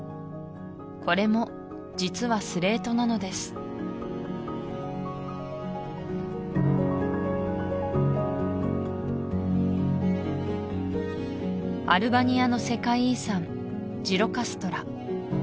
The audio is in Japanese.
これも実はスレートなのですアルバニアの世界遺産ジロカストラ